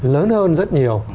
lớn hơn rất nhiều